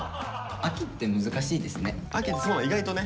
秋って難しいですね。